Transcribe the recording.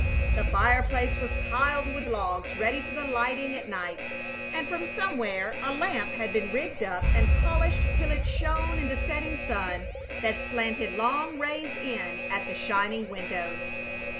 The fireplace was piled with logs ready for the lighting at night, and from somewhere a lamp had been rigged up and polished till it shone in the setting sun that slanted long rays in at the shining windows.